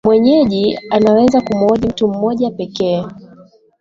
mwenyeji anaweza kumuoji mtu mmoja pekee